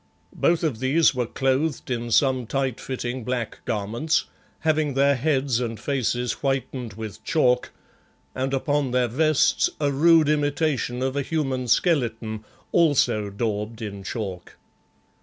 Both of these were clothed in some tight fitting black garments, having their heads and faces whitened with chalk and upon their vests a rude imitation of a human skeleton, also daubed in chalk.